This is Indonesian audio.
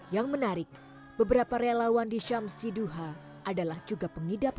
yang menarik beberapa relawan di syamsiduha adalah juga pengidap lupus